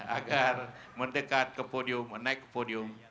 agar mendekat ke podium menaik ke podium